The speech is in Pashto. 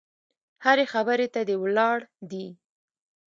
هرې خبرې ته دې ولاړ دي.